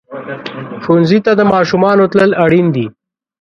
ښوونځي ته د ماشومانو تلل اړین دي.